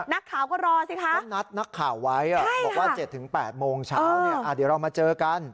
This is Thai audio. นักข่าวก็รอสิคะเขานัดนักข่าวไว้บอกว่า๗๘โมงเช้าเนี่ยเดี๋ยวเรามาเจอกัน